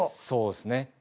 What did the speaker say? そうっすね。